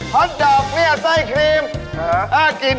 ฮอทดอกเเลี่ยะไส้ครีม